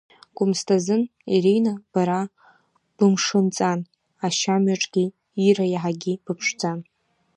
Гәымсҭазын, Ирина, бара бымшынҵан, ашьамҩаҿгьы, Ира, иаҳагьы быԥшӡан.